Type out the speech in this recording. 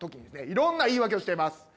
いろんな言い訳をしています。